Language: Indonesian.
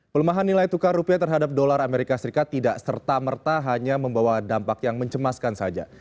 pelemahan nilai tukar rupiah terhadap dolar amerika serikat tidak serta merta hanya membawa dampak yang mencemaskan saja